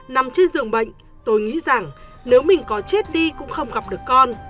nằm trên giường bệnh tôi nghĩ rằng nếu mình có chết đi cũng không gặp được con